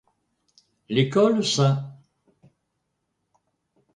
L’école St.